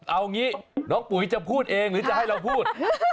เอางี้น้องปุ๋ยจะพูดเองหรือจะให้เราพูด